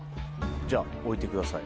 じゃあ置いてください